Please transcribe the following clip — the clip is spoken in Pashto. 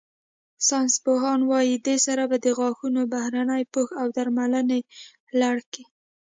ساینسپوهان وايي، دې سره به د غاښونو بهرني پوښ او درملنې لړ کې